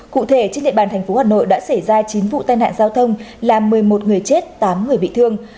cụ thể trên địa bàn tp hcm đã xảy ra chín vụ tai nạn giao thông làm một mươi một người chết tám người bị thương